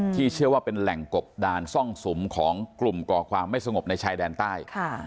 เชื่อว่าเป็นแหล่งกบดานซ่องสุมของกลุ่มก่อความไม่สงบในชายแดนใต้